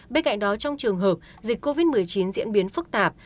bên cạnh đó trong trường hợp dịch covid một mươi chín diễn biến phức tạp